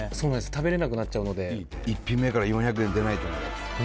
食べれなくなっちゃうので１品目から４００円出ないと思うよ